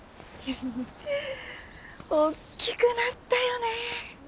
大きくなったよね。